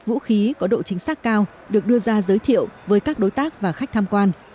vũ khí có độ chính xác cao được đưa ra giới thiệu với các đối tác và khách tham quan